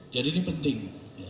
jadi ini penting